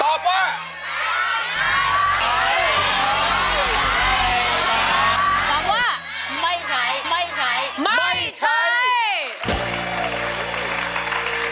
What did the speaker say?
ตอบว่าไม่ใช้ไม่ใช้ไม่ใช้